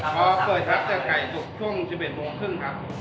พอเปิดทับจากไก่จุดช่วง๑๑โมงครึ่งครับ